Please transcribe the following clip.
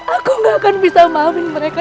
aku tidak akan bisa memaafkan mereka